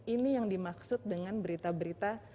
ini yang dimaksud dengan berita berita